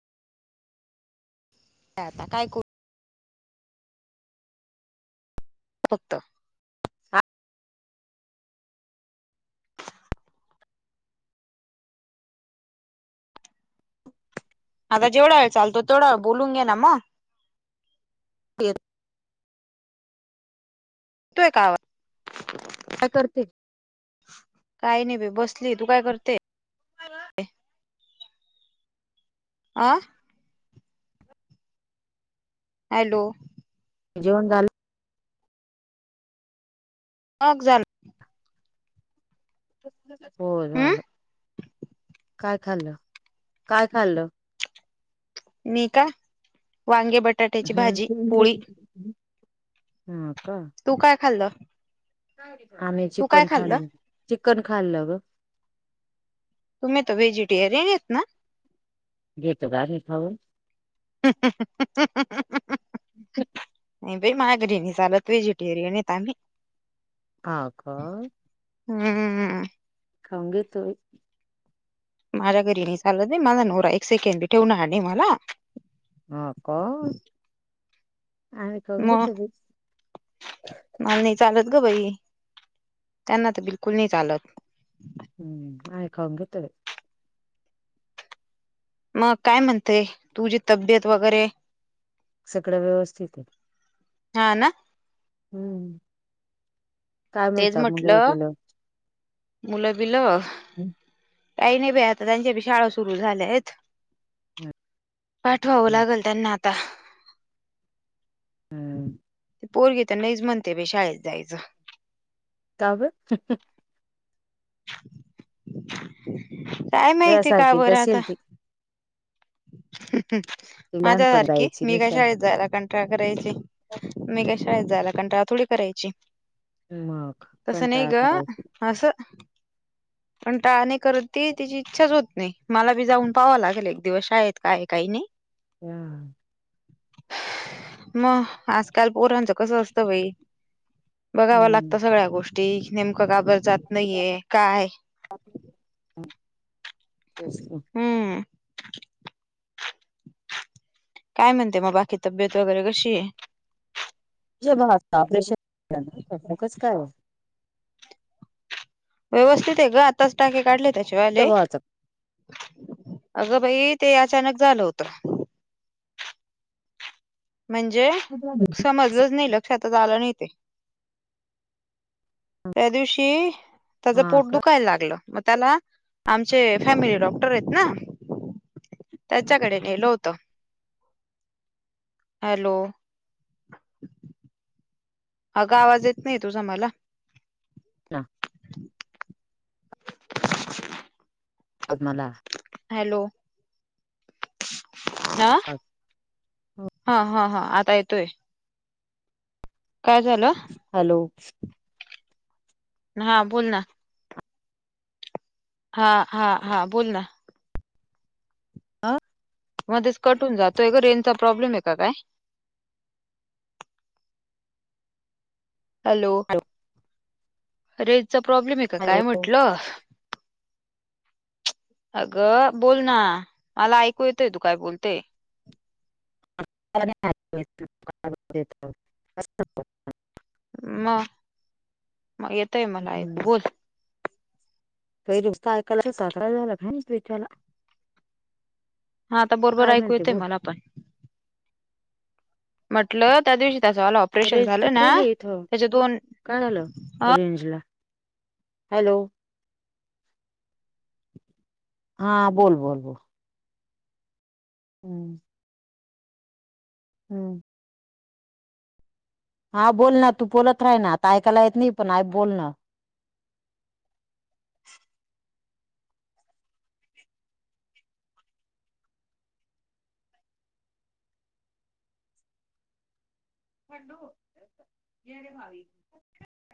ह, आता काय करू? फक्त अग जेवढा चालतो, तेवढा बोलून घे ना मग. तेर ये तो का करते काही नाही भ बसली तू काय करते. आ हॅलो. जेवन झालं. हग झाण हो हम्म झालं. काय खाल्ल, काय खाल्ल? मी का वांगे बटाट्याची भाजी पोळी. हम्. तू काय खाल्लं? आम्ही तू काय चिकन खाल्लं खाल्ल चिकन खाल्लं ग. तुमही तर वेजिटेरियन यस ना. घेतो ग आणि खाऊ मागरी नि चालत वेजिटेरियन आहे ह का. हम्म. खाऊगे तो बाई. माझ्या घरी नाही चालला नाही माझा नोरा एक सेकंडी ठेवणार नाही मला. हा का आम्ही खाऊन घेतो मग बाई मला नाही चालत. अगं बाई त्यांना तर बिलकुल नाही चालत. हम, आम्ही खाऊन घेतो बाई. मग काय म्हणतेय तुझी तब्येत वगैरे सगळं व्यवस्थित आहे. हा ना हम्म काय तेच मिळत मुगवर म्हटलं तला मुलं बिल हम्. काही नाही बा आता त्यांच्या शाळा सुरू झाल्या आहेत. पाठवावं लागेल त्यांना आता हम्म. पोरी तर नाहीच म्हणते शाळेत जायचं. का बरं काय माहिती का वेळासारखी बरं नसेल आता ती [inaudible] हम ती माझ्या लहानपण सारखी जायची मी का निशा शाळेत जायला कंटाळ करायची मी का शाळेत जायला कंटाळ थोडी करायची. मग तस नाही कंटाळा ग करायचा असं पण टाळणे करत त त्याची इच्छाच होत नाही मला बी जाऊन पाहाव लागेल एक दिवस आहेत काय काही नाही. हा. मग आजकाल पोरांचं कसं असतं बाई. बघाव लागत हम्म सगळ्या गोष्टी नेमकं गाबर जात नाहीये काय हम तस हम्म [unintelligible] काय म्हणते मग बाकी तब्येत वगैरे कशी आहे. ज बता ऑपरेशनकच काय [inaudible] व्यवस्थित आहे ग आताच टाके काढले. त्याच्या आले भावाचं अगं भाई ते अचानक झालं होत. म्हणजे समजलंच नाही लक्षातच आलं नाही ते त्या दिवशी त्याच हा पोट का दुखायला लागलं मग त्याला आमचे फॅमिली डॉक्टर आहेत ना त्याच्याकडे नेलो होत हॅलो अगं आवाज येत नाही तुझा मला का अ आज मला हॅलो हा हा हा हा आता येतोय काय झालं हॅलो हा बोल ना हा हा हा बोल ना आह मध्येच कट होऊन जातोय ग रेंजचा प्रॉब्लेम आहे का काय [inaudible] हॅलो रेजचा प्रॉब्लेम आहे का हॅलो काय म्हटलं अगं बोल ना मला ऐकू येतय तू काय बोलते [inaudible] [unintelligible] मग मग येतय मला आकु बोल नुसत ऐकायला काय झाल तला हा आता बरोबर ऐकू येतय मला पण म्हटलं त्या दिवशी त्याच ऑल ऑपरेशन रेंज तर झालं ना फुल आहे इथं त्याचे दोन काय झालं अ रेंजला हॅलो हा बोल बोल बोल हम्म हम्म हा बोल ना तू बोलत राह ना आता ऐकायला येत नाही पण आई बोल ना ह [inaudible] डो गरे हवी [unintelligible]